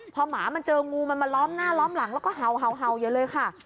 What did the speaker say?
พอหมามันเจองูมันมาล้อมหน้าล้อมหลังแล้วก็เห่าอย่าเลยค่ะ